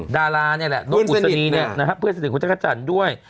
ดารานี่แหละนกอุศนีเนี่ยนะฮะเพื่อนสนิทคุณจักรจันทร์ด้วย